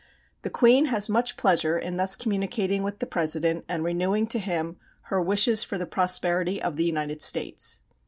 The Queen has much pleasure in thus communicating with the President and renewing to him her wishes for the prosperity of the United States."